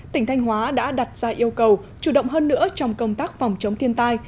tỉnh thanh hóa đã đặt ra yêu cầu chủ động hơn nữa trong công tác phòng chống thiên tai